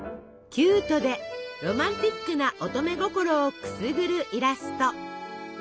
キュートでロマンチックな乙女心をくすぐるイラスト。